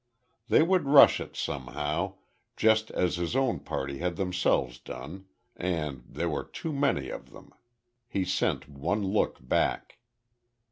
They would rush it somehow, just as his own party had themselves done, and there were too many of them. He sent one look back.